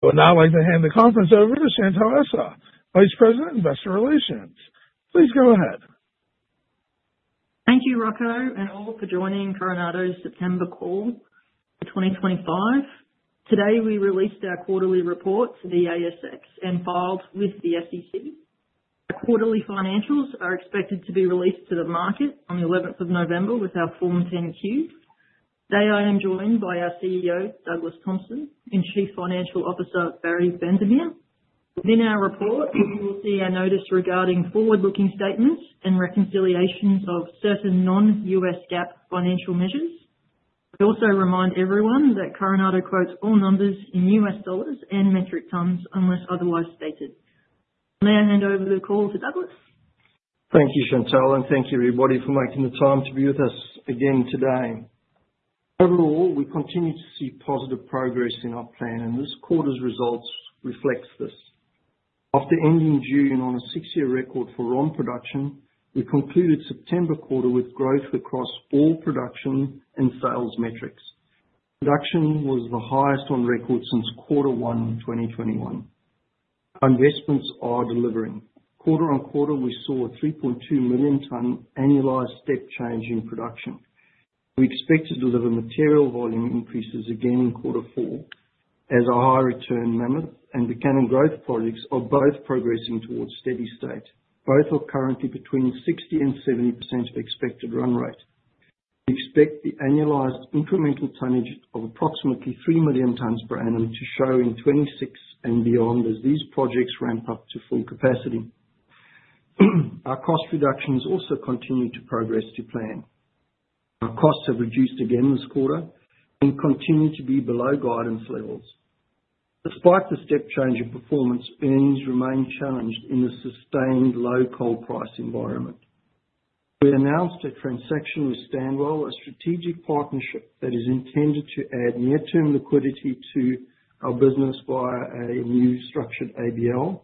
But now I'm going to hand the conference over to Chantelle Essa, Vice President, Investor Relations. Please go ahead. Thank you, Rocco and all, for joining Coronado's September call for 2025. Today we released our quarterly report for the ASX and filed with the SEC. Our quarterly financials are expected to be released to the market on the 11th of November with our Form 10-Q. Today I am joined by our CEO, Douglas Thompson, and Chief Financial Officer, Barrie van der Merwe. Within our report, you will see a notice regarding forward-looking statements and reconciliations of certain non-GAAP financial measures. I also remind everyone that Coronado quotes all numbers in U.S. dollars and metric tons unless otherwise stated. May I hand over the call to Douglas? Thank you, Chantelle, and thank you, everybody, for making the time to be with us again today. Overall, we continue to see positive progress in our plan, and this quarter's results reflect this. After ending June on a six-year record for ROM production, we concluded September quarter with growth across all production and sales metrics. Production was the highest on record since quarter one 2021. Investments are delivering. Quarter on quarter, we saw a 3.2 million ton annualized step change in production. We expect to deliver material volume increases again in quarter four as our high return Mammoth and the Buchanan growth projects are both progressing towards steady state. Both are currently between 60% and 70% of expected run rate. We expect the annualized incremental tonnage of approximately 3 million tons per annum to show in 2026 and beyond as these projects ramp up to full capacity. Our cost reductions also continue to progress to plan. Our costs have reduced again this quarter and continue to be below guidance levels. Despite the step change in performance, earnings remain challenged in the sustained low coal price environment. We announced a transaction with Stanwell, a strategic partnership that is intended to add near-term liquidity to our business via a new structured ABL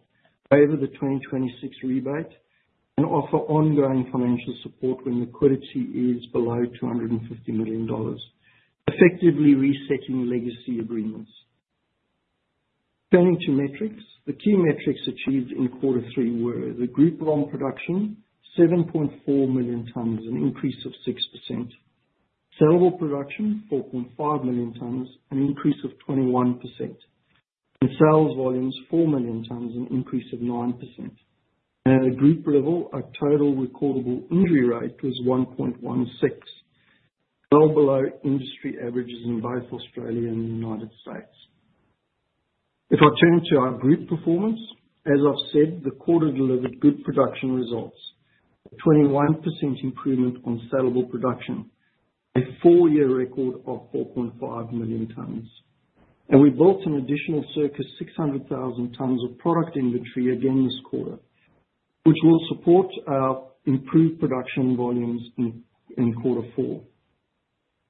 over the 2026 rebate and offer ongoing financial support when liquidity is below $250 million, effectively resetting legacy agreements. Turning to metrics, the key metrics achieved in quarter three were the group ROM production, 7.4 million tons, an increase of 6%. Saleable production, 4.5 million tons, an increase of 21%. And sales volumes, 4 million tons, an increase of 9%. At a group level, our total recordable injury rate was 1.16, well below industry averages in both Australia and the United States. If I turn to our group performance, as I've said, the quarter delivered good production results, a 21% improvement on saleable production, a four-year record of 4.5 million tons, and we built an additional circa 600,000 tons of product inventory again this quarter, which will support our improved production volumes in quarter four.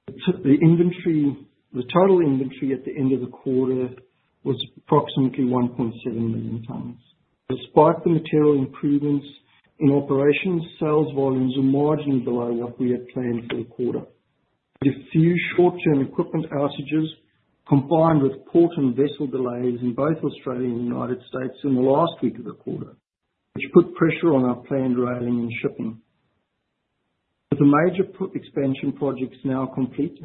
The total inventory at the end of the quarter was approximately 1.7 million tons. Despite the material improvements in operations, sales volumes were marginally below what we had planned for the quarter. A few short-term equipment outages combined with port and vessel delays in both Australia and the United States in the last week of the quarter, which put pressure on our planned railing and shipping. With the major expansion projects now complete,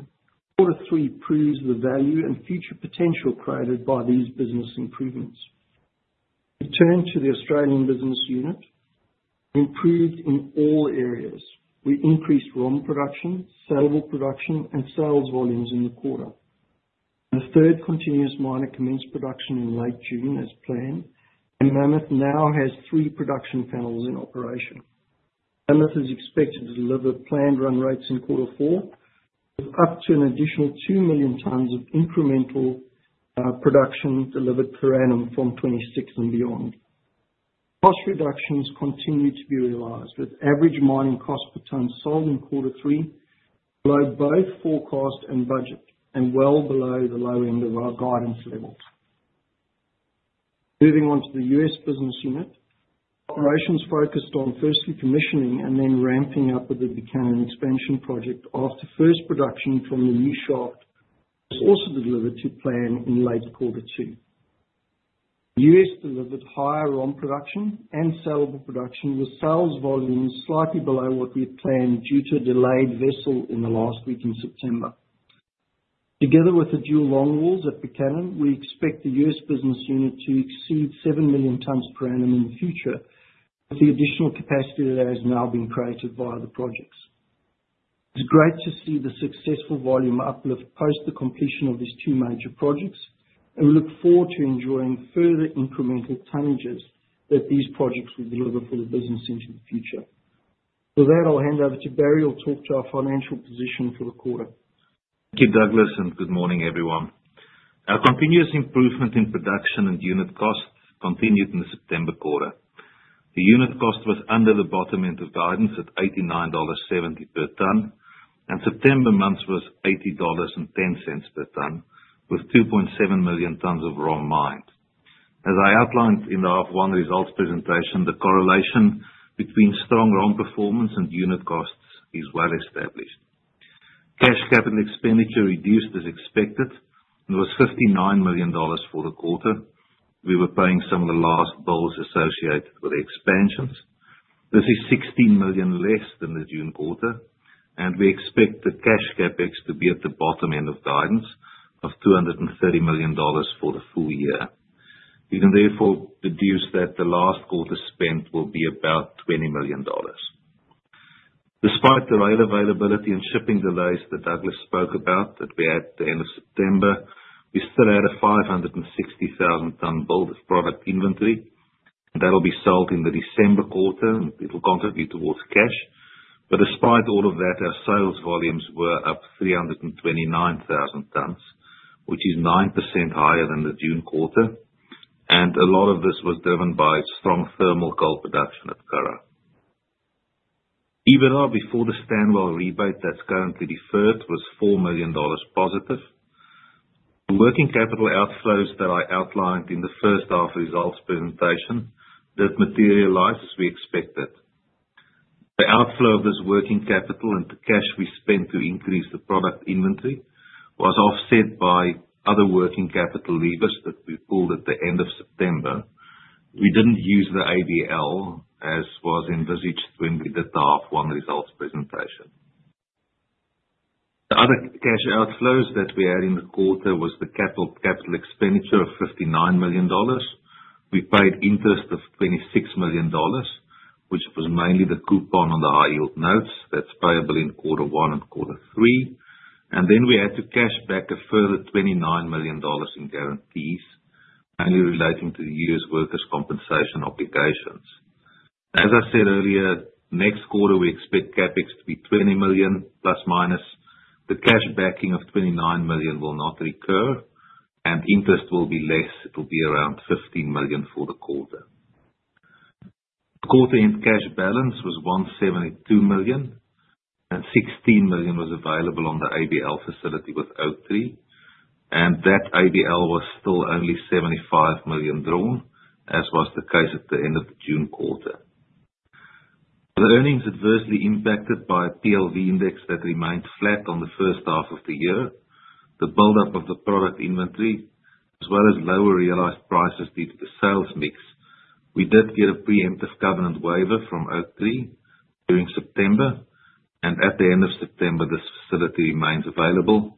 quarter three proves the value and future potential created by these business improvements. We turn to the Australian business unit. We improved in all areas. We increased ROM production, saleable production, and sales volumes in the quarter. A third continuous miner commenced production in late June, as planned, and Mammoth now has three production panels in operation. Mammoth is expected to deliver planned run rates in quarter four, with up to an additional 2 million tons of incremental production delivered per annum from 2026 and beyond. Cost reductions continue to be realized, with average mining cost per ton sold in quarter three below both forecast and budget, and well below the low end of our guidance levels. Moving on to the U.S. business unit, operations focused on firstly commissioning and then ramping up with the Buchanan Expansion project after first production from the new shaft was also delivered to plan in late quarter two. The U.S. delivered higher ROM production and saleable production, with sales volumes slightly below what we had planned due to a delayed vessel in the last week in September. Together with the dual longwalls at Buchanan, we expect the U.S. business unit to exceed 7 million tons per annum in the future, with the additional capacity that has now been created via the projects. It's great to see the successful volume uplift post the completion of these two major projects, and we look forward to enjoying further incremental tonnages that these projects will deliver for the business into the future. With that, I'll hand over to Barrie and talk to our financial position for the quarter. Thank you, Douglas, and good morning, everyone. Our continuous improvement in production and unit costs continued in the September quarter. The unit cost was under the bottom end of guidance at $89.70 per tonne, and September month was $80.10 per tonne, with 2.7 million tons of ROM mined. As I outlined in the half one results presentation, the correlation between strong ROM performance and unit costs is well established. Cash capital expenditure reduced as expected, and it was $59 million for the quarter. We were paying some of the last bills associated with expansions. This is $16 million less than the June quarter, and we expect the cash CapEx to be at the bottom end of guidance of $230 million for the full year. We can therefore deduce that the last quarter spent will be about $20 million. Despite the rail availability and shipping delays that Douglas spoke about that we had at the end of September, we still had a 560,000-ton bulk of product inventory, and that'll be sold in the December quarter, and it'll contribute towards cash. But despite all of that, our sales volumes were up 329,000 tons, which is 9% higher than the June quarter, and a lot of this was driven by strong thermal coal production at Curragh. EBITDA before the Stanwell rebate that's currently deferred was $4 million positive. The working capital outflows that I outlined in the first half results presentation did materialize as we expected. The outflow of this working capital into cash we spent to increase the product inventory was offset by other working capital levers that we pulled at the end of September. We didn't use the ABL as was envisaged when we did the half one results presentation. The other cash outflows that we had in the quarter was the capital expenditure of $59 million. We paid interest of $26 million, which was mainly the coupon on the high-yield notes that's payable in quarter one and quarter three, and then we cash backed a further $29 million in guarantees, mainly relating to the U.S. workers' compensation obligations. As I said earlier, next quarter we expect CapEx to be $20 million, plus minus. The cash backing of $29 million will not recur, and interest will be less. It'll be around $15 million for the quarter. The quarter-end cash balance was $172 million, and $16 million was available on the ABL facility with Oaktree, and that ABL was still only $75 million drawn, as was the case at the end of the June quarter. The earnings adversely impacted by a PLV index that remained flat on the first half of the year, the buildup of the product inventory, as well as lower realized prices due to the sales mix. We did get a preemptive covenant waiver from Oaktree during September, and at the end of September, this facility remains available,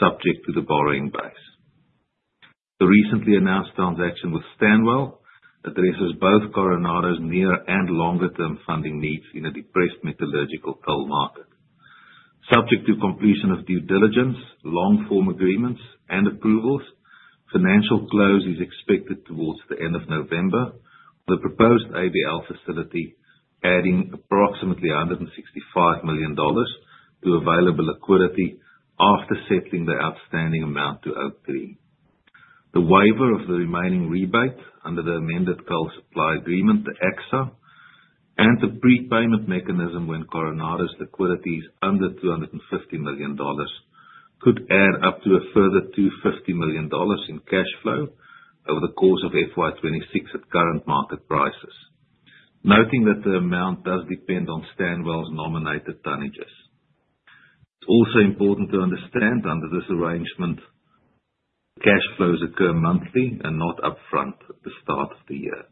subject to the borrowing base. The recently announced transaction with Stanwell addresses both Coronado's near and longer-term funding needs in a depressed metallurgical coal market. Subject to completion of due diligence, long-form agreements, and approvals, financial close is expected towards the end of November, with a proposed ABL facility adding approximately $165 million to available liquidity after settling the outstanding amount to Oaktree. The waiver of the remaining rebate under the Amended Coal Supply Agreement, the ACSA, and the prepayment mechanism when Coronado's liquidity is under $250 million could add up to a further $250 million in cash flow over the course of FY 2026 at current market prices, noting that the amount does depend on Stanwell's nominated tonnages. It's also important to understand under this arrangement, cash flows occur monthly and not upfront at the start of the year.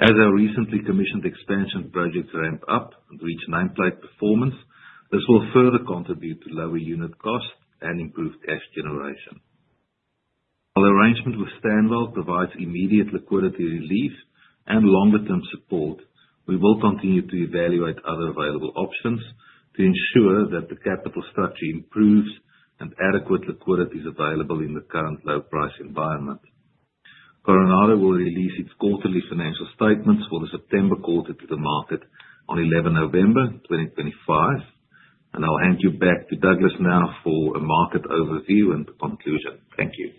As our recently commissioned expansion projects ramp up and reach nameplate performance, this will further contribute to lower unit costs and improved cash generation. While the arrangement with Stanwell provides immediate liquidity relief and longer-term support, we will continue to evaluate other available options to ensure that the capital structure improves and adequate liquidity is available in the current low-price environment. Coronado will release its quarterly financial statements for the September quarter to the market on 11 November 2025, and I'll hand you back to Douglas now for a market overview and conclusion. Thank you.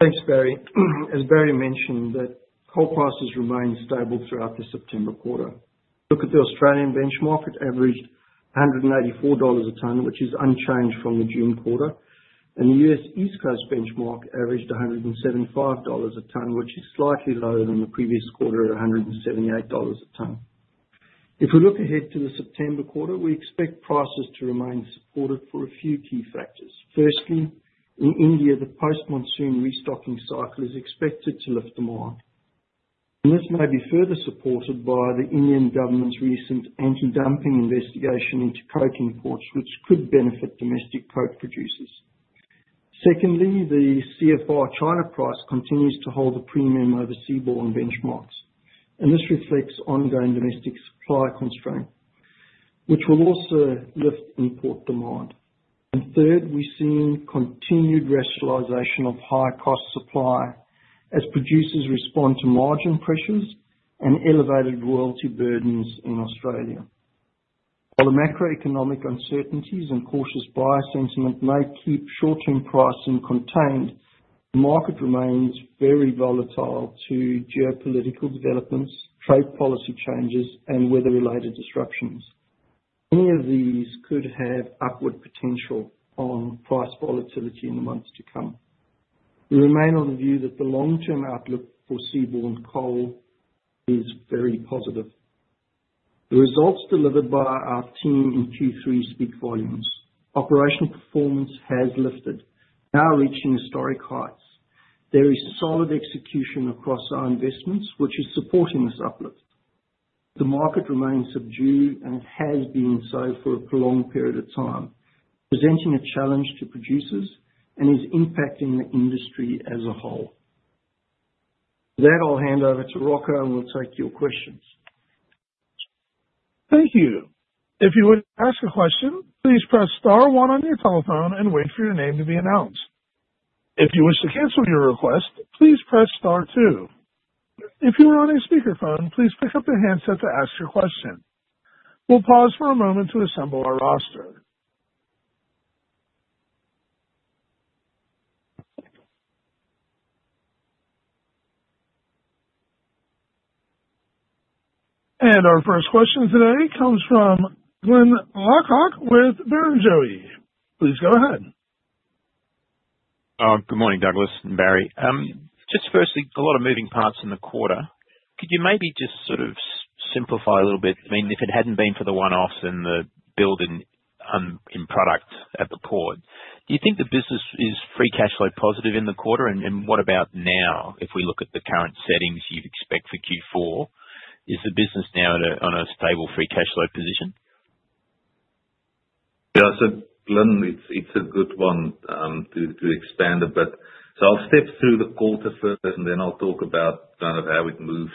Thanks, Barrie. As Barrie mentioned, the coal prices remained stable throughout the September quarter. Look at the Australian benchmark. It averaged $184 a tonne, which is unchanged from the June quarter, and the U.S. East Coast benchmark averaged $175 a tonne, which is slightly lower than the previous quarter at $178 a tonne. If we look ahead to the September quarter, we expect prices to remain supportive for a few key factors. Firstly, in India, the post-monsoon restocking cycle is expected to lift demand. This may be further supported by the Indian government's recent anti-dumping investigation into coking coal, which could benefit domestic coke producers. Secondly, the CFR China price continues to hold a premium over seaborne benchmarks, and this reflects ongoing domestic supply constraints, which will also lift import demand. Third, we're seeing continued rationalization of high-cost supply as producers respond to margin pressures and elevated royalty burdens in Australia. While the macroeconomic uncertainties and cautious buyer sentiment may keep short-term pricing contained, the market remains very volatile to geopolitical developments, trade policy changes, and weather-related disruptions. Any of these could have upward potential on price volatility in the months to come. We remain on the view that the long-term outlook for seaborne coal is very positive. The results delivered by our team in Q3 speak volumes. Operational performance has lifted, now reaching historic heights. There is solid execution across our investments, which is supporting this uplift. The market remains subdued, and it has been so for a prolonged period of time, presenting a challenge to producers and is impacting the industry as a whole. With that, I'll hand over to Rocco and we'll take your questions. Thank you. If you would like to ask a question, please press star one on your telephone and wait for your name to be announced. If you wish to cancel your request, please press star two. If you are on a speaker phone, please pick up the handset to ask your question. We'll pause for a moment to assemble our roster. And our first question today comes from Glyn Lawcock with Barrenjoey. Please go ahead. Good morning, Douglas and Barrie. Just firstly, a lot of moving parts in the quarter. Could you maybe just sort of simplify a little bit? I mean, if it hadn't been for the one-offs and the building in product at the port, do you think the business is free cash flow positive in the quarter? And what about now? If we look at the current settings you'd expect for Q4, is the business now on a stable free cash flow position? Yeah, so Glyn, it's a good one to expand a bit. So I'll step through the quarter first, and then I'll talk about kind of how it moves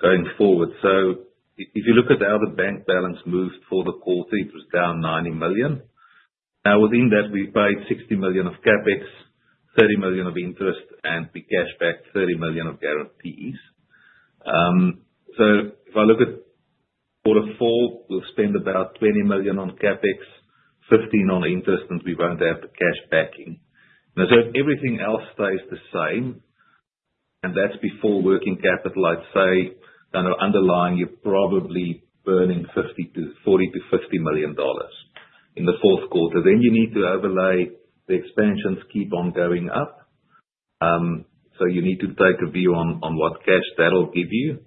going forward. So if you look at how the bank balance moved for the quarter, it was down $90 million. Now, within that, we paid $60 million of CapEx, $30 million of interest, and we cash back $30 million of guarantees. So if I look at quarter four, we'll spend about $20 million on CapEx, $15 million on interest, and we won't have the cash backing. And so everything else stays the same, and that's before working capital. I'd say kind of underlying you're probably burning $40 million-$50 million in the fourth quarter. Then you need to overlay the expansions keep on going up, so you need to take a view on what cash that'll give you.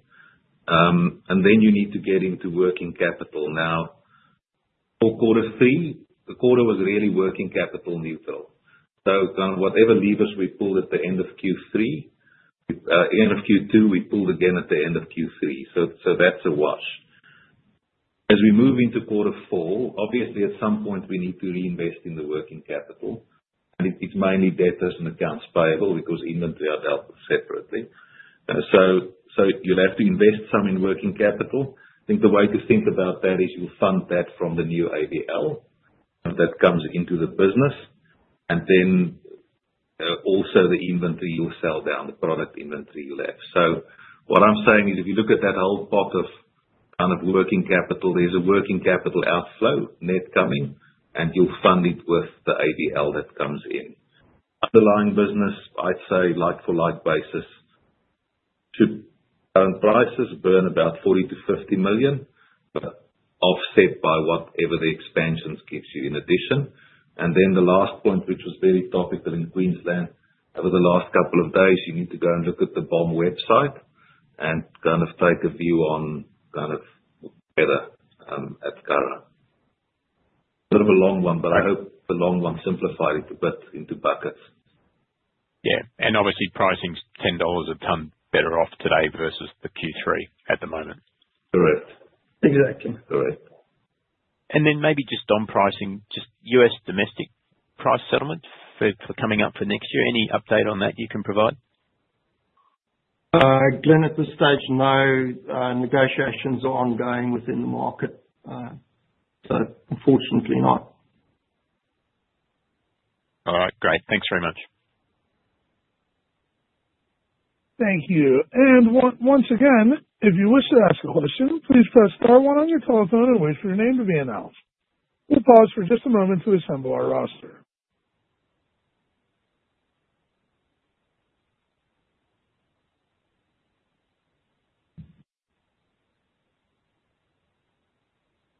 Then you need to get into working capital. Now, for quarter three, the quarter was really working capital neutral, so kind of whatever levers we pulled at the end of Q3, end of Q2, we pulled again at the end of Q3, so that's a wash. As we move into quarter four, obviously, at some point, we need to reinvest in the working capital, and it's mainly debtors and accounts payable because inventory are dealt separately, so you'll have to invest some in working capital. I think the way to think about that is you'll fund that from the new ABL that comes into the business, and then also the inventory you'll sell down, the product inventory you'll have. So what I'm saying is if you look at that whole pot of kind of working capital, there's a working capital outflow net coming, and you'll fund it with the ABL that comes in. Underlying business, I'd say like-for-like basis to current prices burn about $40 million-$50 million, but offset by whatever the expansions gives you in addition. And then the last point, which was very topical in Queensland over the last couple of days, you need to go and look at the BOM website and kind of take a view on kind of weather at Curragh. A bit of a long one, but I hope the long one simplified it a bit into buckets. Yeah, and obviously, pricing's $10 a tonne better off today versus the Q3 at the moment. Correct. Exactly. Correct. And then maybe just on pricing, just U.S. domestic price settlement for coming up for next year. Any update on that you can provide? Glyn, at this stage, no. Negotiations are ongoing within the market, so unfortunately not. All right. Great. Thanks very much. Thank you. And once again, if you wish to ask a question, please press star one on your telephone and wait for your name to be announced. We'll pause for just a moment to assemble our roster.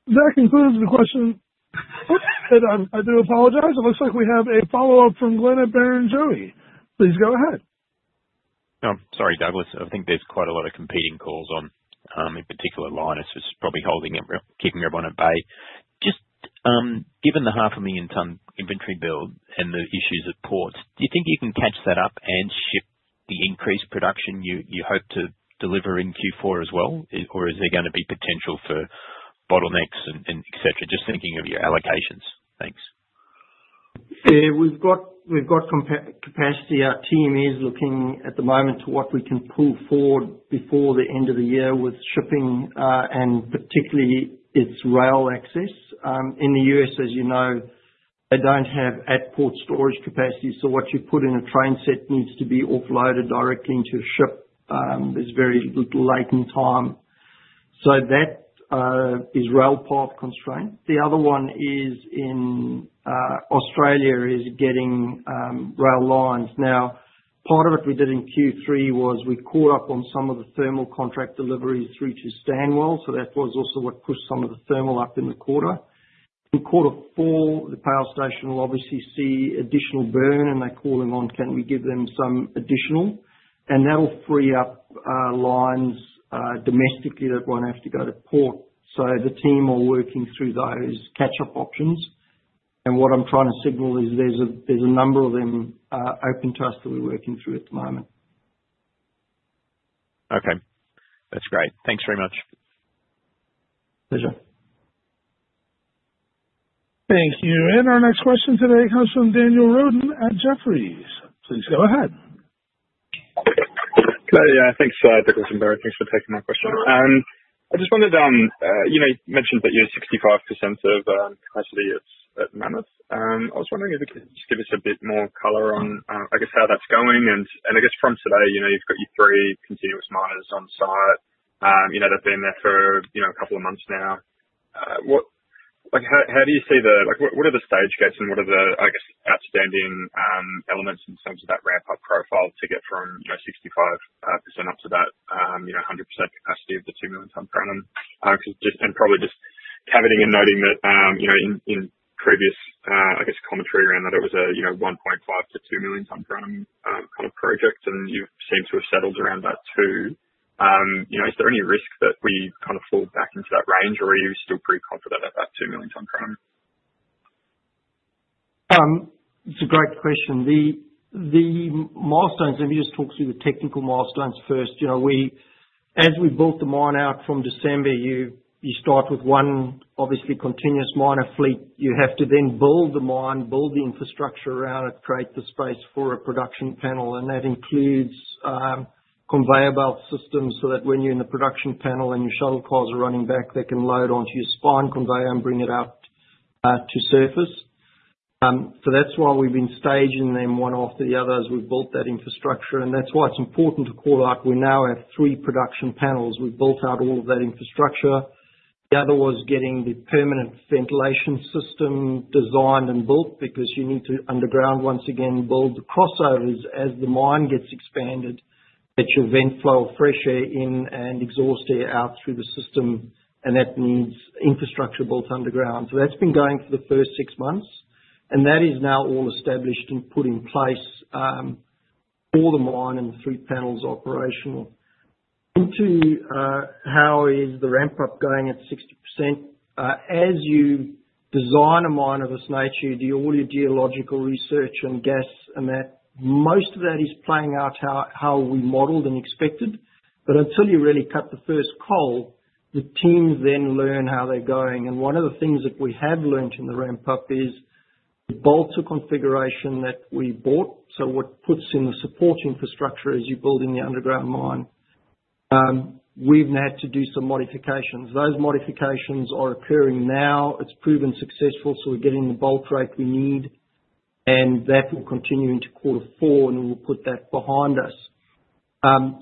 That concludes the question. I do apologize. It looks like we have a follow-up from Glyn at Barrenjoey. Please go ahead. Sorry, Douglas. I think there's quite a lot of competing calls on, in particular, Lynas was probably keeping everyone at bay. Just given the 500,000-tonne inventory bill and the issues at ports, do you think you can catch that up and ship the increased production you hope to deliver in Q4 as well, or is there going to be potential for bottlenecks and etc.? Just thinking of your allocations. Thanks. Yeah. We've got capacity. Our team is looking at the moment to what we can pull forward before the end of the year with shipping and particularly its rail access. In the U.S., as you know, they don't have at-port storage capacity, so what you put in a train set needs to be offloaded directly into a ship. There's very little latent time. So that is rail path constraint. The other one is in Australia is getting rail lines. Now, part of it we did in Q3 was we caught up on some of the thermal contract deliveries through to Stanwell, so that was also what pushed some of the thermal up in the quarter. In quarter four, the power station will obviously see additional burn, and they're calling on, "Can we give them some additional?" And that'll free up lines domestically that won't have to go to port. So the team are working through those catch-up options. And what I'm trying to signal is there's a number of them open to us that we're working through at the moment. Okay. That's great. Thanks very much. Pleasure. Thank you. And our next question today comes from Daniel Roden at Jefferies. Please go ahead. Hi, yeah. Thanks for the question, Barrie. Thanks for taking my question. I just wanted to mention that you had 65% of capacity at Mammoth. I was wondering if you could just give us a bit more color on, I guess, how that's going. And I guess from today, you've got your three continuous miners on site. They've been there for a couple of months now. How do you see the, what are the stage gates and what are the, I guess, outstanding elements in terms of that ramp-up profile to get from 65% up to that 100% capacity of the 2 million-tonne per annum? And probably just elaborating and noting that in previous, I guess, commentary around that it was a 1.5-2 million-tonne per annum kind of project, and you seem to have settled around that too. Is there any risk that we kind of fall back into that range, or are you still pretty confident at that 2 million tonne per annum? It's a great question. The milestones, let me just talk through the technical milestones first. As we built the mine out from December, you start with one, obviously, continuous miner fleet. You have to then build the mine, build the infrastructure around it, create the space for a production panel, and that includes conveyor belt systems so that when you're in the production panel and your shuttle cars are running back, they can load onto your spine conveyor and bring it out to surface. So that's why we've been staging them one after the other as we've built that infrastructure, and that's why it's important to call out, we now have three production panels. We've built out all of that infrastructure. The other was getting the permanent ventilation system designed and built because you need to go underground, once again, build the crossovers as the mine gets expanded, get your vent flow of fresh air in and exhaust air out through the system, and that needs infrastructure built underground, so that's been going for the first six months, and that is now all established and put in place for the mine and the three panels operational. Into how is the ramp-up going at 60%? As you design a mine of this nature, you do all your geological research and gas, and most of that is playing out how we modeled and expected, but until you really cut the first coal, the teams then learn how they're going, and one of the things that we have learned in the ramp-up is the bolt configuration that we bought. So what puts in the support infrastructure as you're building the underground mine, we've now had to do some modifications. Those modifications are occurring now. It's proven successful, so we're getting the bolt rate we need, and that will continue into quarter four, and we'll put that behind us.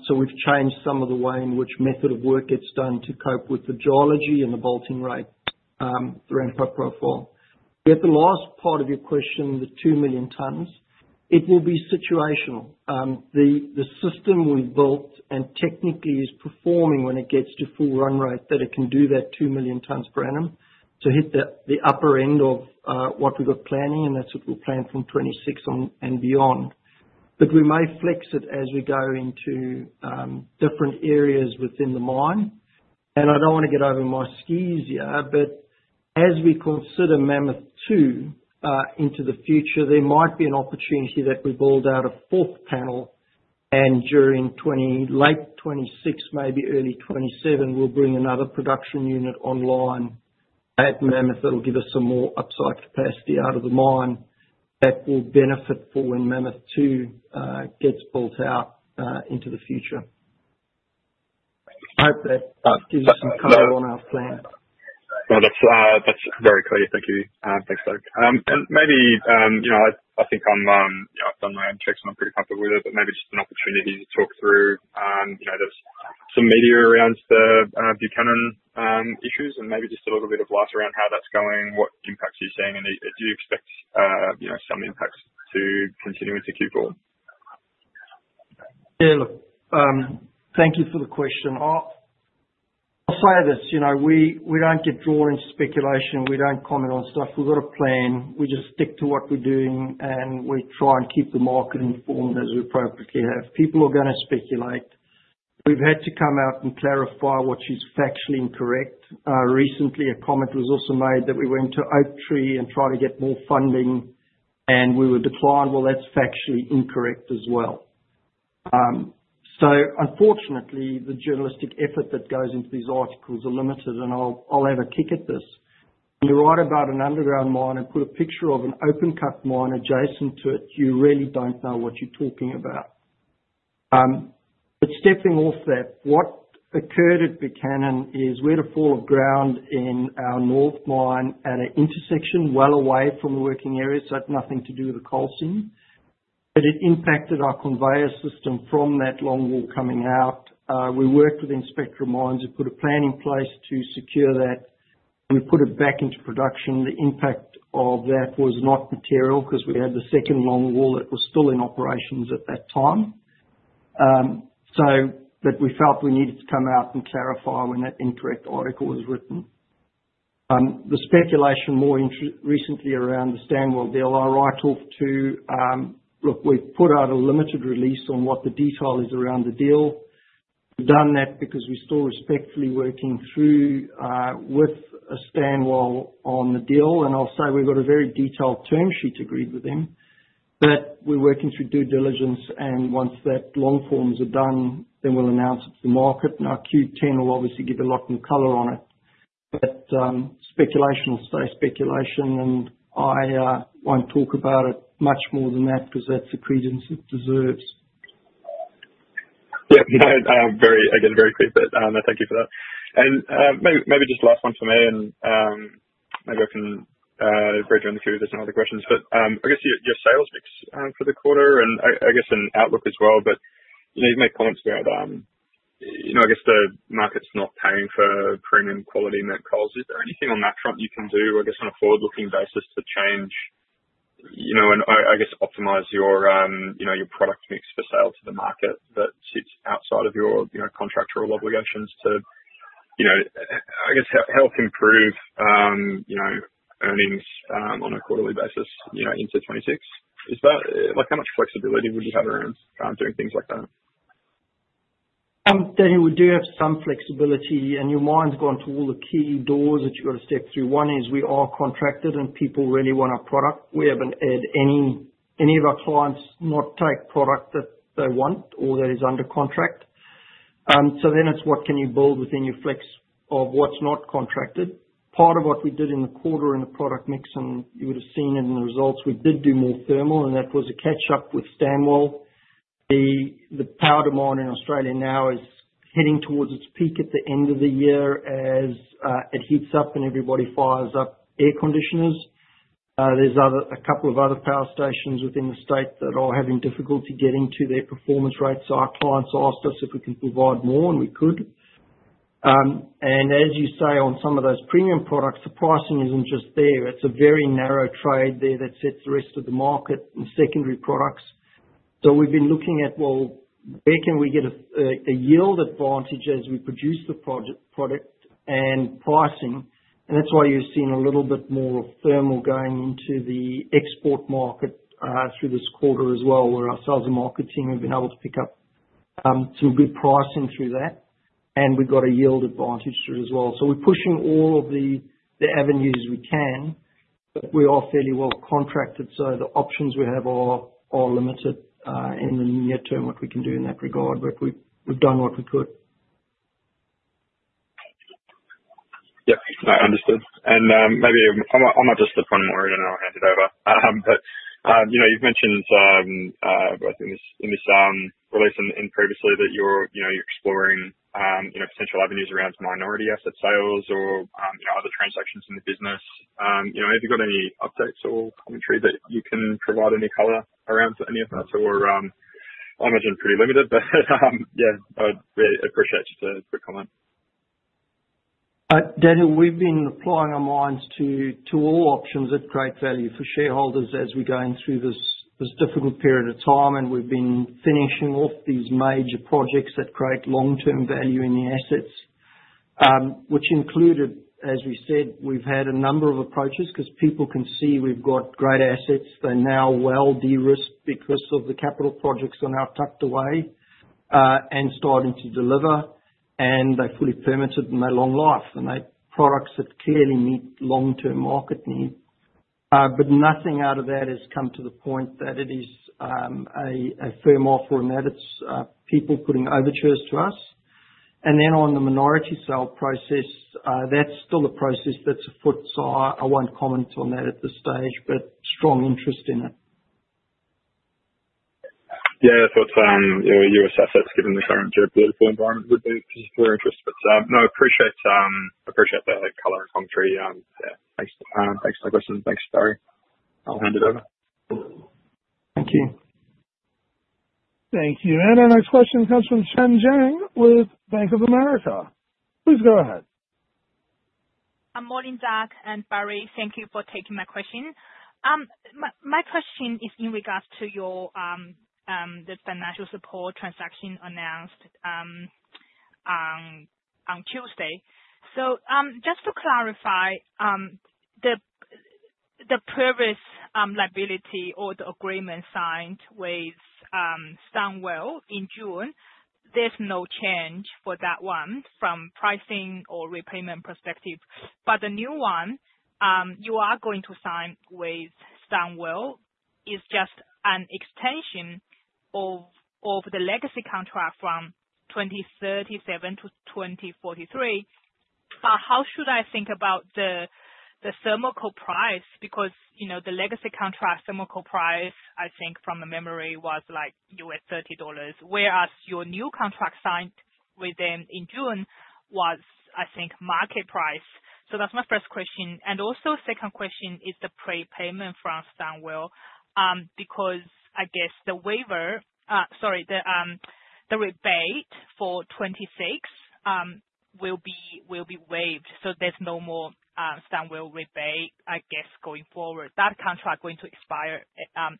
So we've changed some of the way in which method of work gets done to cope with the geology and the bolting rate through ramp-up profile. At the last part of your question, the two million tonnes, it will be situational. The system we've built and technically is performing when it gets to full run rate that it can do that two million tonnes per annum. So hit the upper end of what we've got planning, and that's what we'll plan from 2026 on and beyond. But we may flex it as we go into different areas within the mine. I don't want to get over my skis here, but as we consider Mammoth 2 into the future, there might be an opportunity that we build out a fourth panel, and during late 2026, maybe early 2027, we'll bring another production unit online at Mammoth that'll give us some more upside capacity out of the mine that will benefit for when Mammoth 2 gets built out into the future. I hope that gives you some color on our plan. That's very clear. Thank you. Thanks, Doug. And maybe I think I've done my own checks, and I'm pretty comfortable with it, but maybe just an opportunity to talk through. There's some media around the Buchanan issues and maybe just a little bit of light around how that's going, what impacts you're seeing, and do you expect some impacts to continue into Q4? Yeah. Look, thank you for the question. I'll say this. We don't get drawn into speculation. We don't comment on stuff. We've got a plan. We just stick to what we're doing, and we try and keep the market informed as we appropriately have. People are going to speculate. We've had to come out and clarify what is factually incorrect. Recently, a comment was also made that we went to Oaktree and tried to get more funding, and we were declined. Well, that's factually incorrect as well. So unfortunately, the journalistic effort that goes into these articles is limited, and I'll have a kick at this. When you write about an underground mine and put a picture of an open-cut mine adjacent to it, you really don't know what you're talking about. But stepping off that, what occurred at Buchanan is we had a fall of ground in our north mine at an intersection well away from the working area, so it had nothing to do with the coal seam. But it impacted our conveyor system from that longwall coming out. We worked with mines inspector and put a plan in place to secure that, and we put it back into production. The impact of that was not material because we had the second longwall that was still in operations at that time, but we felt we needed to come out and clarify when that incorrect article was written. The speculation more recently around the Stanwell deal, I talked to look, we've put out a limited release on what the detail is around the deal. We've done that because we're still respectfully working through with Stanwell on the deal, and I'll say we've got a very detailed term sheet agreed with them, but we're working through due diligence, and once that long forms are done, then we'll announce it to the market. Now, 10-Q will obviously give a lot more color on it, but speculation will stay speculation, and I won't talk about it much more than that because that's the credence it deserves. Yeah. Again, very clear, but thank you for that. And maybe just last one for me, and maybe I can bridge on through with some other questions. But I guess your sales mix for the quarter and I guess an outlook as well, but you've made comments about, I guess, the market's not paying for premium quality met coals. Is there anything on that front you can do, I guess, on a forward-looking basis to change and, I guess, optimize your product mix for sale to the market that sits outside of your contractual obligations to, I guess, help improve earnings on a quarterly basis into 2026? How much flexibility would you have around doing things like that? I think we do have some flexibility, and your mind's gone to all the key doors that you've got to step through. One is we are contracted, and people really want our product. We haven't had any of our clients not take product that they want or that is under contract. So then it's what can you build within your flex of what's not contracted. Part of what we did in the quarter in the product mix, and you would have seen it in the results, we did do more thermal, and that was a catch-up with Stanwell. The power demand in Australia now is heading towards its peak at the end of the year as it heats up and everybody fires up air conditioners. There's a couple of other power stations within the state that are having difficulty getting to their performance rates, so our clients asked us if we can provide more, and we could. And as you say, on some of those premium products, the pricing isn't just there. It's a very narrow trade there that sets the rest of the market and secondary products. So we've been looking at, well, where can we get a yield advantage as we produce the product and pricing? And that's why you're seeing a little bit more of thermal going into the export market through this quarter as well, where ourselves and market team have been able to pick up some good pricing through that, and we've got a yield advantage through it as well. So we're pushing all of the avenues we can, but we are fairly well contracted, so the options we have are limited in the near term what we can do in that regard, but we've done what we could. Yep. Understood, and maybe I'm not just the primary owner. I'll hand it over, but you've mentioned both in this release and previously that you're exploring potential avenues around minority asset sales or other transactions in the business. Have you got any updates or commentary that you can provide any color around any of that, so I imagine pretty limited, but yeah, I'd really appreciate just a quick comment. Daniel, we've been applying our minds to all options at great value for shareholders as we're going through this difficult period of time, and we've been finishing off these major projects that create long-term value in the assets, which included, as we said, we've had a number of approaches because people can see we've got great assets. They're now well de-risked because of the capital projects are now tucked away and starting to deliver, and they're fully permitted, and they're long life, and they're products that clearly meet long-term market need. But nothing out of that has come to the point that it is a firm offer in that it's people putting overtures to us. And then on the minority sale process, that's still a process that's afoot, so I won't comment on that at this stage, but strong interest in it. Yeah. Thoughts on your assets given the current geopolitical environment would be particular interest, but no, I appreciate the color and commentary. Yeah. Thanks for the question. Thanks, Barrie. I'll hand it over. Thank you. Thank you. And our next question comes from Chen Jiang with Bank of America. Please go ahead. Morning, Doug and Barrie. Thank you for taking my question. My question is in regards to the financial support transaction announced on Tuesday. So just to clarify, the previous liability or the agreement signed with Stanwell in June, there's no change for that one from pricing or repayment perspective. But the new one you are going to sign with Stanwell is just an extension of the legacy contract from 2037 to 2043. How should I think about the thermal coal price? Because the legacy contract thermal coal price, I think from the memory, was like $30, whereas your new contract signed with them in June was, I think, market price. So that's my first question. And also, second question is the prepayment from Stanwell because I guess the waiver sorry, the rebate for 2026 will be waived. So there's no more Stanwell rebate, I guess, going forward. That contract is going to expire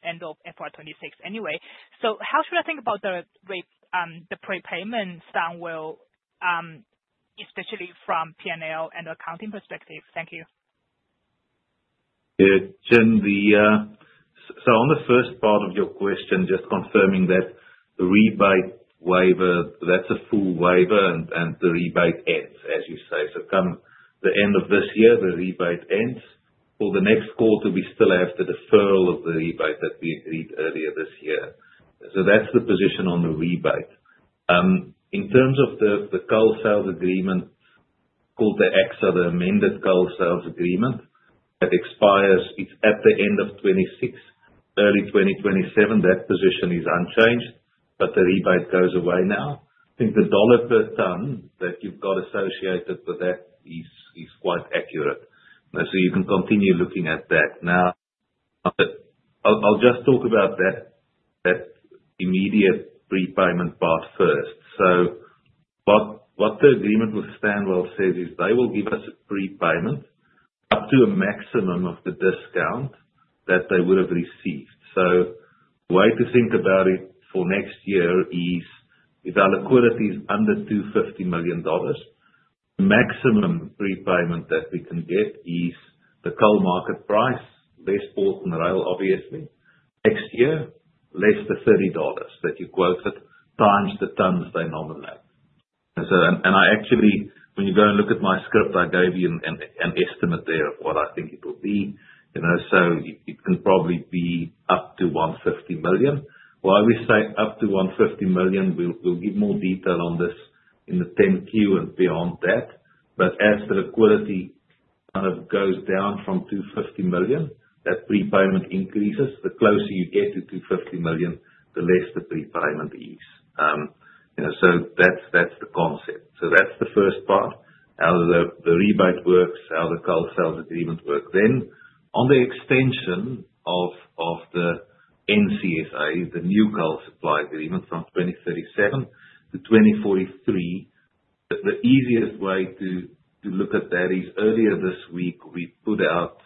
end of FY 2026 anyway. So how should I think about the prepayment Stanwell, especially from P&L and accounting perspective? Thank you. Yeah. So on the first part of your question, just confirming that the rebate waiver, that's a full waiver, and the rebate ends, as you say. So the end of this year, the rebate ends. For the next quarter, we still have the deferral of the rebate that we agreed earlier this year. So that's the position on the rebate. In terms of the coal sales agreement called the ACSA, the Amended Coal Sales Agreement that expires, it's at the end of 2026, early 2027. That position is unchanged, but the rebate goes away now. I think the dollar per ton that you've got associated with that is quite accurate. So you can continue looking at that. Now, I'll just talk about that immediate prepayment part first. So what the agreement with Stanwell says is they will give us a prepayment up to a maximum of the discount that they would have received. So the way to think about it for next year is if our liquidity is under $250 million, the maximum prepayment that we can get is the coal market price, less port and rail, obviously, next year, less than $30 that you quoted, times the tons they nominate. And actually, when you go and look at my script, I gave you an estimate there of what I think it will be. So it can probably be up to $150 million. Why we say up to $150 million, we'll give more detail on this in the 10-Q and beyond that. But as the liquidity kind of goes down from $250 million, that prepayment increases. The closer you get to $250 million, the less the prepayment is. So that's the concept. So that's the first part, how the rebate works, how the coal sales agreement works. Then on the extension of the NCSA, the New Coal Supply Agreement from 2037 to 2043, the easiest way to look at that is earlier this week, we put out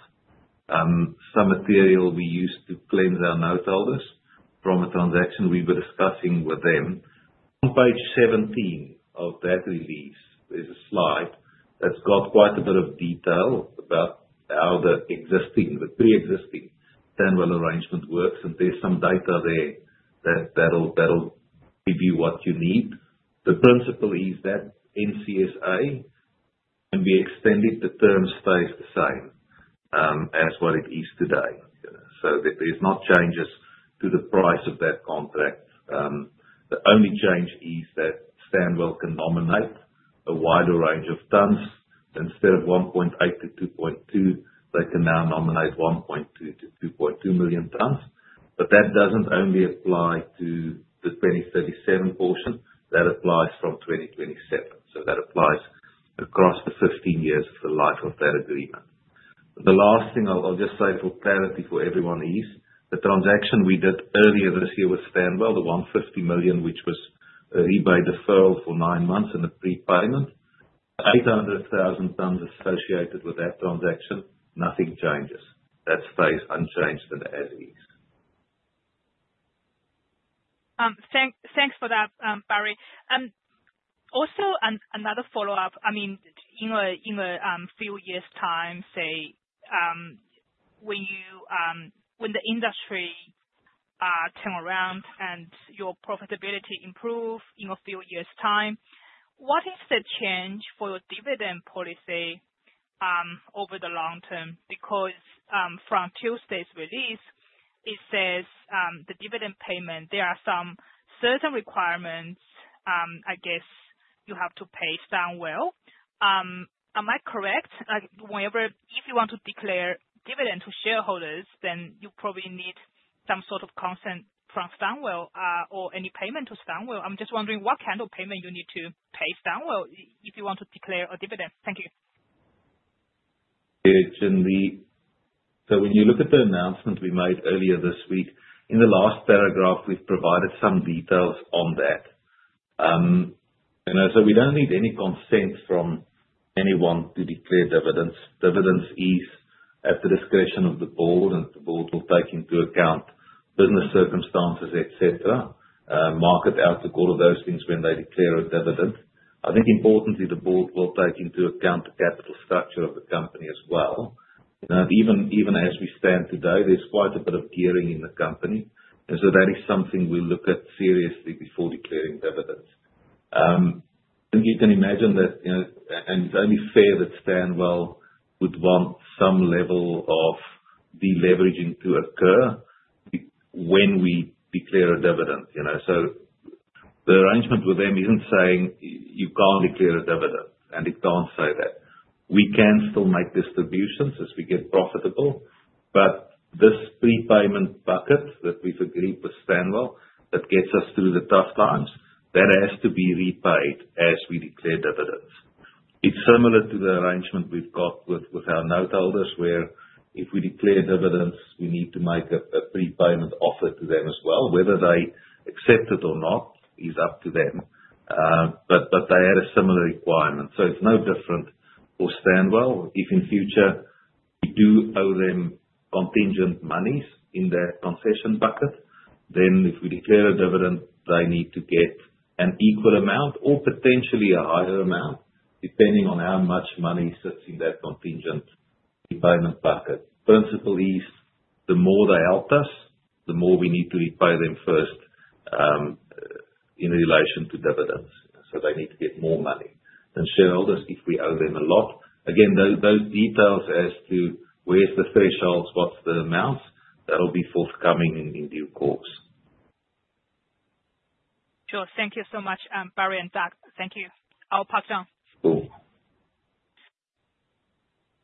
some material we used to solicit consent from our noteholders for a transaction we were discussing with them. On page 17 of that release, there's a slide that's got quite a bit of detail about how the pre-existing Stanwell arrangement works, and there's some data there that'll give you what you need. The principle is that NCSA can be extended. The term stays the same as what it is today. So there's no changes to the price of that contract. The only change is that Stanwell can nominate a wider range of tons. Instead of 1.8-2.2, they can now nominate 1.2-2.2 million tons. But that doesn't only apply to the 2037 portion. That applies from 2027. So that applies across the 15 years of the life of that agreement. The last thing I'll just say for clarity for everyone is the transaction we did earlier this year with Stanwell, the $150 million, which was a rebate deferral for nine months and a prepayment, the $800,000 associated with that transaction. Nothing changes. That stays unchanged as is. Thanks for that, Barrie. Also, another follow-up. I mean, in a few years' time, say, when the industry turns around and your profitability improves in a few years' time, what is the change for your dividend policy over the long term? Because from tuesday's release, it says the dividend payment, there are some certain requirements, I guess, you have to pay Stanwell. Am I correct? If you want to declare dividend to shareholders, then you probably need some sort of consent from Stanwell or any payment to Stanwell. I'm just wondering what kind of payment you need to pay Stanwell if you want to declare a dividend. Thank you. Yeah. So when you look at the announcement we made earlier this week, in the last paragraph, we've provided some details on that. So we don't need any consent from anyone to declare dividends. Dividends is at the discretion of the board, and the board will take into account business circumstances, etc., market outlook, all of those things when they declare a dividend. I think importantly, the board will take into account the capital structure of the company as well. Even as we stand today, there's quite a bit of gearing in the company. And so that is something we look at seriously before declaring dividends. I think you can imagine that, and it's only fair that Stanwell would want some level of deleveraging to occur when we declare a dividend. So the arrangement with them isn't saying you can't declare a dividend, and it can't say that. We can still make distributions as we get profitable, but this prepayment bucket that we've agreed with Stanwell that gets us through the tough times, that has to be repaid as we declare dividends. It's similar to the arrangement we've got with our noteholders where if we declare dividends, we need to make a prepayment offer to them as well. Whether they accept it or not is up to them, but they had a similar requirement. So it's no different for Stanwell. If in future we do owe them contingent monies in that concession bucket, then if we declare a dividend, they need to get an equal amount or potentially a higher amount depending on how much money sits in that contingent prepayment bucket. The principle is the more they help us, the more we need to repay them first in relation to dividends. So they need to get more money. And shareholders, if we owe them a lot, again, those details as to where's the thresholds, what's the amounts, that'll be forthcoming in due course. Sure. Thank you so much, Barrie and Doug. Thank you. I'll pass it on. Cool.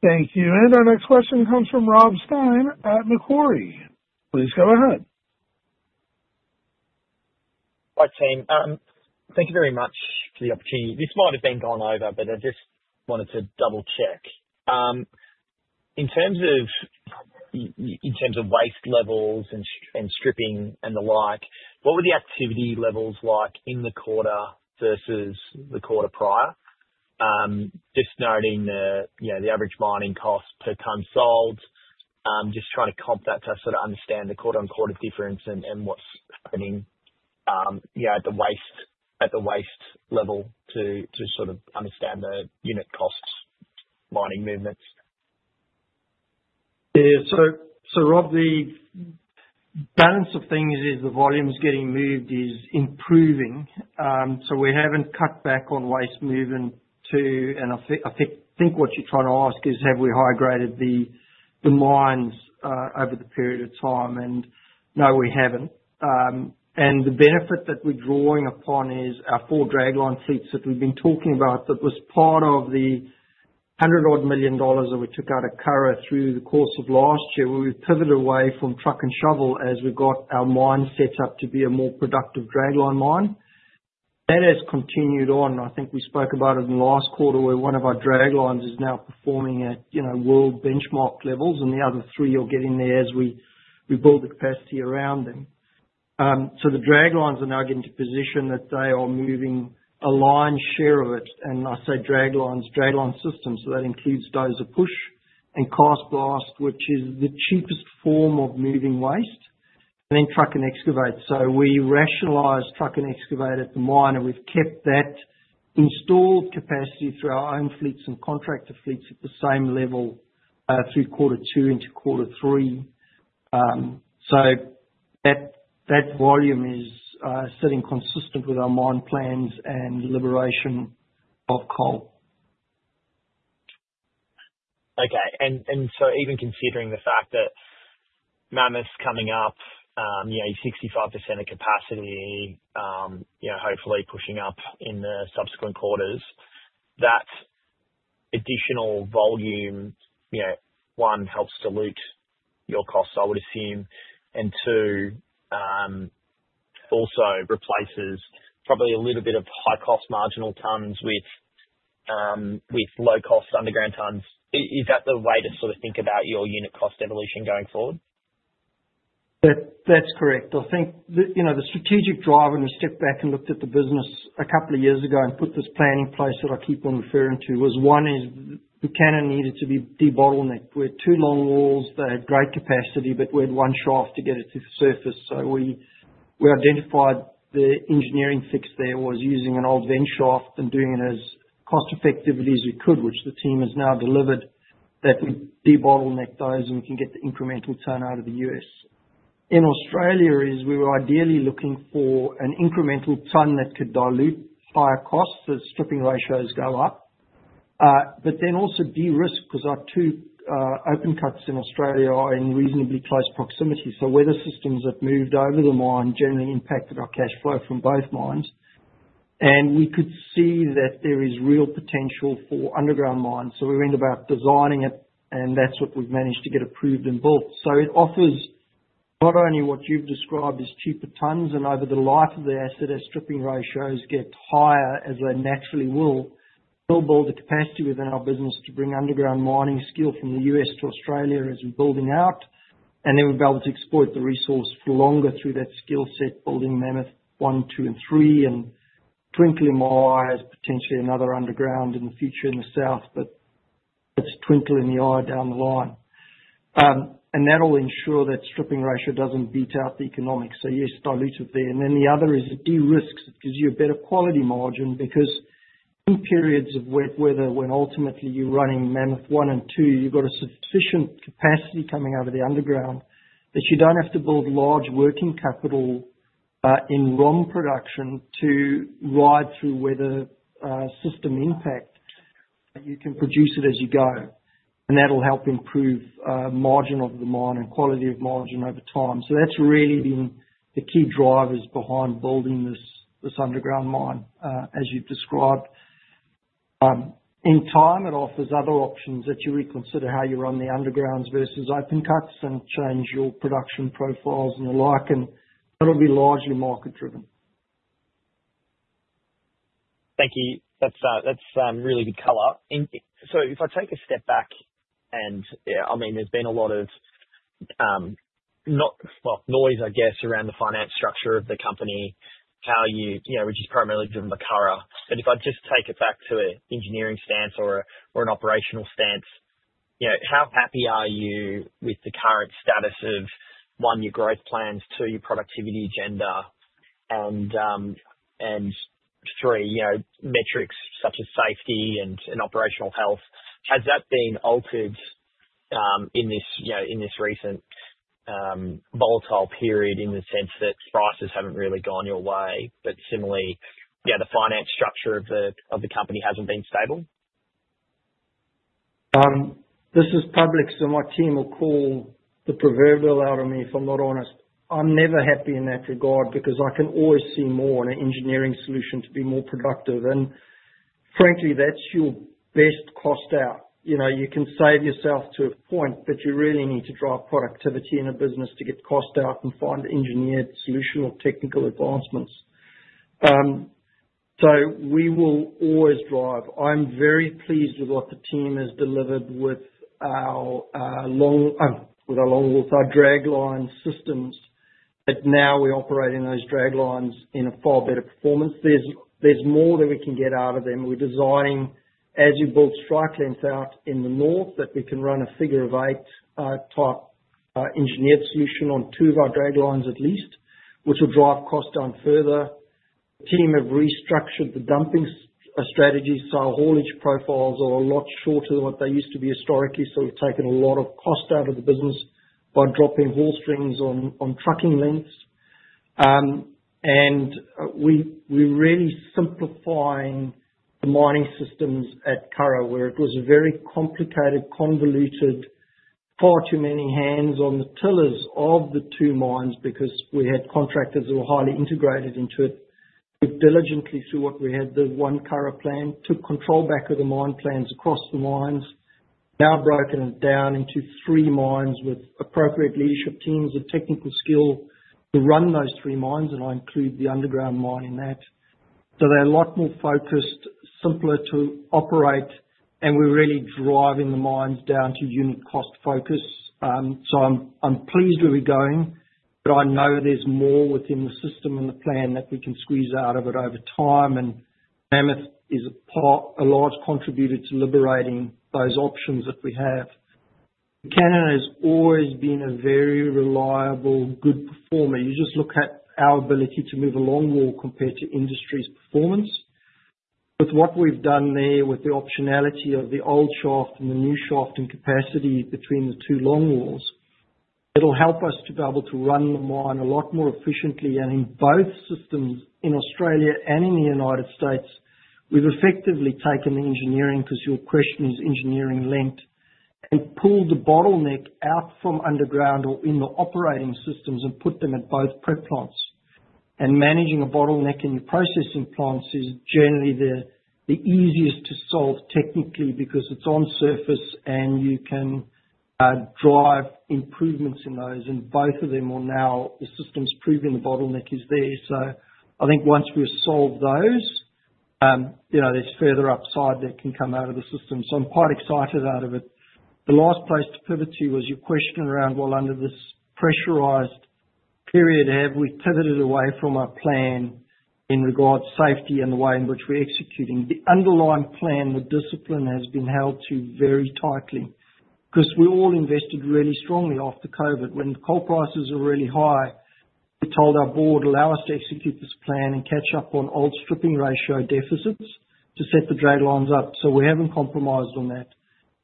Thank you. And our next question comes from Rob Stein at Macquarie. Please go ahead. Hi team. Thank you very much for the opportunity. This might have been gone over, but I just wanted to double-check. In terms of waste levels and stripping and the like, what were the activity levels like in the quarter versus the quarter prior? Just noting the average mining cost per ton sold, just trying to comp that to sort of understand the quarter-on-quarter difference and what's happening at the waste level to sort of understand the unit costs, mining movements. Yeah. So, Rob, the balance of things is the volumes getting moved is improving. So we haven't cut back on waste moving too. And I think what you're trying to ask is, have we high-graded the mines over the period of time? And no, we haven't. And the benefit that we're drawing upon is our four dragline fleets that we've been talking about that was part of the $100 million that we took out of Curragh through the course of last year where we pivoted away from truck and shovel as we got our mine set up to be a more productive dragline mine. That has continued on. I think we spoke about it in the last quarter where one of our draglines is now performing at world benchmark levels, and the other three are getting there as we build the capacity around them. So the draglines are now getting to a position that they are moving a lion's share of it. And I say draglines, dragline systems, so that includes dozer push and cast blast, which is the cheapest form of moving waste, and then truck and excavate. So we rationalize truck and excavate at the mine, and we've kept that installed capacity through our own fleets and contractor fleets at the same level through quarter two into quarter three. So that volume is sitting consistent with our mine plans and liberation of coal. Okay, and so even considering the fact that Mammoth's coming up, 65% of capacity, hopefully pushing up in the subsequent quarters, that additional volume, one, helps dilute your costs, I would assume, and two, also replaces probably a little bit of high-cost marginal tons with low-cost underground tons. Is that the way to sort of think about your unit cost evolution going forward? That's correct. I think the strategic drive when we stepped back and looked at the business a couple of years ago and put this plan in place that I keep on referring to was one is the Buchanan needed to be de-bottlenecked. We had two long walls. They had great capacity, but we had one shaft to get it to the surface. So we identified the engineering fix there was using an old vent shaft and doing it as cost-effectively as we could, which the team has now delivered that we de-bottleneck those and we can get the incremental ton out of the U.S. In Australia we were ideally looking for an incremental ton that could dilute higher costs as stripping ratios go up, but then also de-risk because our two open cuts in Australia are in reasonably close proximity. Weather systems that moved over the mine generally impacted our cash flow from both mines. We could see that there is real potential for underground mines. We went about designing it, and that's what we've managed to get approved and built. It offers not only what you've described as cheaper tons, and over the life of the asset, as stripping ratios get higher, as they naturally will, we'll build the capacity within our business to bring underground mining skill from the U.S. to Australia as we're building out. Then we'll be able to exploit the resource for longer through that skill set building Mammoth One, Two, and Three. Twinkle in my eye has potentially another underground in the future in the south, but that's twinkle in the eye down the line. That'll ensure that stripping ratio doesn't beat out the economic. So yes, dilute it there. And then the other is it de-risks because you have better quality margin because in periods of wet weather, when ultimately you're running Mammoth One and Two, you've got a sufficient capacity coming out of the underground that you don't have to build large working capital in ROM production to ride through weather system impact. You can produce it as you go. And that'll help improve margin of the mine and quality of margin over time. So that's really been the key drivers behind building this underground mine as you've described. In time, it offers other options that you reconsider how you run the undergrounds versus open cuts and change your production profiles and the like. And that'll be largely market-driven. Thank you. That's really good color. So if I take a step back and I mean, there's been a lot of, well, noise, I guess, around the finance structure of the company, which is primarily driven by Curragh. But if I just take it back to an engineering stance or an operational stance, how happy are you with the current status of, one, your growth plans, two, your productivity agenda, and three, metrics such as safety and operational health? Has that been altered in this recent volatile period in the sense that prices haven't really gone your way, but similarly, yeah, the finance structure of the company hasn't been stable? This is public, so my team will call the proverbial out of me if I'm not honest. I'm never happy in that regard because I can always see more in an engineering solution to be more productive, and frankly, that's your best cost out. You can save yourself to a point, but you really need to drive productivity in a business to get cost out and find engineered solution or technical advancements, so we will always drive. I'm very pleased with what the team has delivered with our longwall and dragline systems, that now we operate in those draglines in a far better performance. There's more that we can get out of them. We're designing, as we build strike lengths out in the north, that we can run a figure-of-eight type engineered solution on two of our draglines at least, which will drive cost down further. The team have restructured the dumping strategy, so our haulage profiles are a lot shorter than what they used to be historically. So we've taken a lot of cost out of the business by dropping haul strings on trucking lengths. And we're really simplifying the mining systems at Curragh, where it was a very complicated, convoluted, far too many hands on the tillers of the two mines because we had contractors who were highly integrated into it. We've diligently through what we had the One Curragh Plan, took control back of the mine plans across the mines, now broken it down into three mines with appropriate leadership teams and technical skill to run those three mines, and I include the underground mine in that. So they're a lot more focused, simpler to operate, and we're really driving the mines down to unit cost focus. I'm pleased where we're going, but I know there's more within the system and the plan that we can squeeze out of it over time. Mammoth is a large contributor to liberating those options that we have. The Buchanan has always been a very reliable, good performer. You just look at our ability to move a longwall compared to industry's performance. With what we've done there with the optionality of the old shaft and the new shaft and capacity between the two longwalls, it'll help us to be able to run the mine a lot more efficiently. In both systems in Australia and in the United States, we've effectively taken the engineering, because your question is engineering length, and pulled the bottleneck out from underground or in the operating systems and put them at both prep plants. Managing a bottleneck in your processing plants is generally the easiest to solve technically because it's on surface and you can drive improvements in those. Both of them are now the system's proving the bottleneck is there. I think once we've solved those, there's further upside that can come out of the system. I'm quite excited out of it. The last place to pivot to was your question around, well, under this pressurized period, have we pivoted away from our plan in regards to safety and the way in which we're executing? The underlying plan, the discipline has been held to very tightly because we all invested really strongly after COVID. When coal prices are really high, we told our board, "Allow us to execute this plan and catch up on old stripping ratio deficits to set the draglines up." We haven't compromised on that.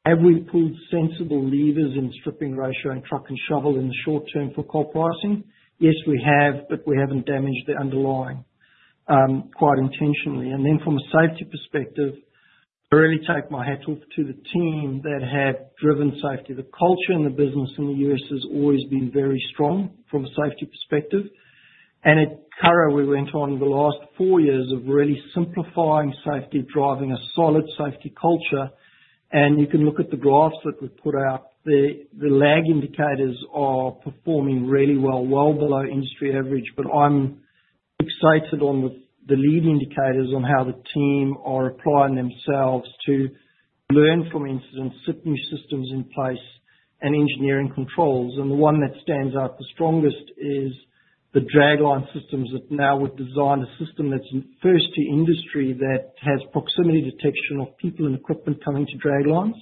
Have we pulled sensible levers in stripping ratio and truck and shovel in the short term for coal pricing? Yes, we have, but we haven't damaged the underlying quite intentionally. And then from a safety perspective, I really take my hat off to the team that have driven safety. The culture in the business in the U.S. has always been very strong from a safety perspective. And at Curragh, we went on the last four years of really simplifying safety, driving a solid safety culture. And you can look at the graphs that we've put out there. The lag indicators are performing really well, well below industry average, but I'm excited on the lead indicators on how the team are applying themselves to learn from incidents, set new systems in place, and engineering controls. And the one that stands out the strongest is the dragline systems that now we've designed a system that's first to industry that has proximity detection of people and equipment coming to draglines.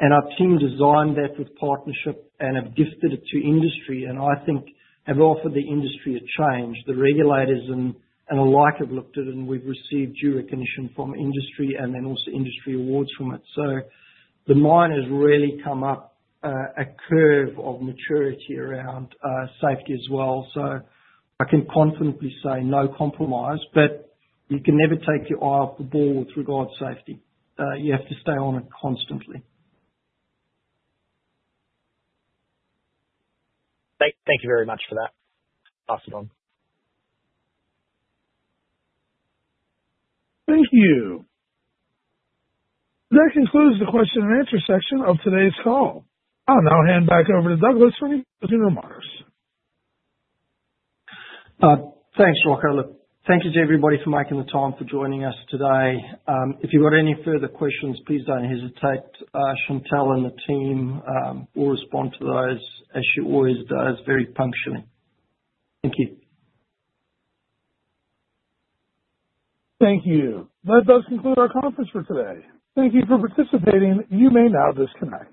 And our team designed that with partnership and have gifted it to industry and I think have offered the industry a change. The regulators and the like have looked at it, and we've received due recognition from industry and then also industry awards from it. So the mine has really come up a curve of maturity around safety as well. So I can confidently say no compromise, but you can never take your eye off the ball with regards to safety. You have to stay on it constantly. Thank you very much for that. Pass it on. Thank you. That concludes the question and answer section of today's call. I'll now hand back over to Douglas, our CEO. Thanks, Rocco. Thank you to everybody for making the time for joining us today. If you've got any further questions, please don't hesitate. Chantelle and the team will respond to those as she always does, very punctually. Thank you. Thank you. That does conclude our conference for today. Thank you for participating. You may now disconnect.